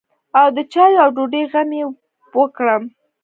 او د چايو او ډوډۍ غم يې وکړم.